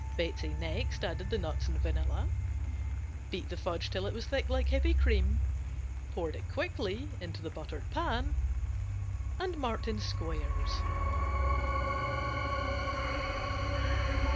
Betsey next added the nuts and vanilla, beat the fudge till it was thick like heavy cream, poured quickly into the buttered pan and marked in squares.